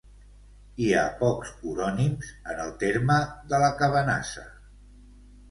Hi ha pocs orònims, en el terme de la Cabanassa.